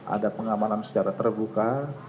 ada pengamanan secara terbuka